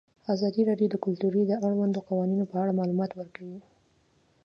ازادي راډیو د کلتور د اړونده قوانینو په اړه معلومات ورکړي.